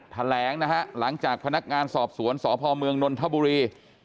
แถลงนะฮะหลังจากพนักงานสอบสวนสพเมืองนนทบุรี